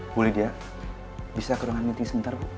bu lydia bisa ke ruangan meeting sebentar bu